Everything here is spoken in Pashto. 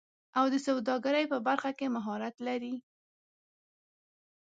او د سوداګرۍ په برخه کې مهارت لري